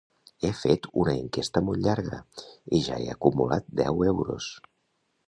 He fet una enquesta molt llarga i ja he acumulat deu euros